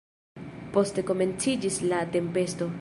Poste komenciĝis la tempesto.